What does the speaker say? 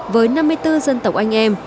với năm mươi bốn dân tộc anh em